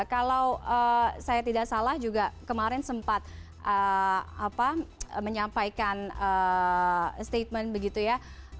kalau saya tidak salah juga kemarin sempat menyampaikan statement begitu ya